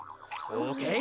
オーケー？